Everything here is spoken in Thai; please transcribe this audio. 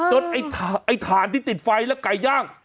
จนไอ้ฐานที่ติดไฟแล้วไก่ย่าง